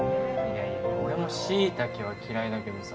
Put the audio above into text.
いやいや俺もしいたけは嫌いだけどさ